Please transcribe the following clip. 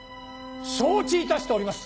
承知いたしております！